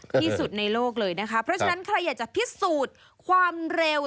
ที่สุดในโลกเลยนะคะเพราะฉะนั้นใครอยากจะพิสูจน์ความเร็ว